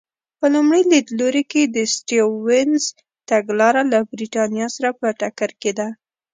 په لومړي لیدلوري کې د سټیونز تګلاره له برېټانیا سره په ټکر کې ده.